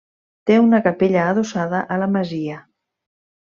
Té una capella adossada a la masia.